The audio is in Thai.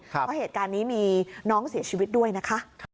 เพราะเหตุการณ์นี้มีน้องเสียชีวิตด้วยนะคะ